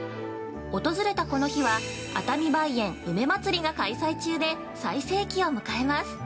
訪れたこの日は、熱海梅園梅まつりが開催中で最盛期を迎えます。